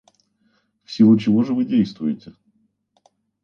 В силу чего же вы действуете?